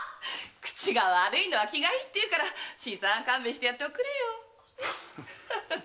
口が悪いのは気がいいっていうから新さん勘弁してやっておくれよ。